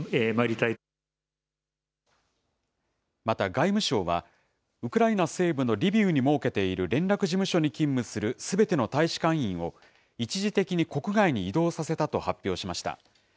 また外務省は、ウクライナ西部のリビウに設けている連絡事務所に勤務するすべての大使館員を、一時的に国外に移動させたと発表しました。